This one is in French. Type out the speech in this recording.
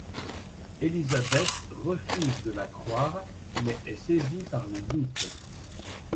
Elizabeth refuse de la croire mais est saisie par le doute.